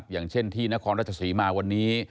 อย่างเช่นที่นครราชศรีมาวันนี้